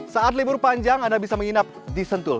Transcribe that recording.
saat libur panjang anda bisa menginap di sentul